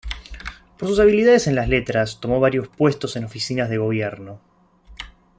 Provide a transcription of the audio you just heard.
Por sus habilidades en las letras, tomó varios puestos en oficinas de gobierno.